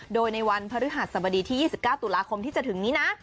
โดยในวันพฤหัสสบดีที่๒๙ตุลาคมที่จะถึงนี้นะ